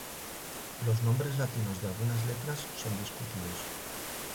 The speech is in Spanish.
Los nombres latinos de algunas letras son discutidos.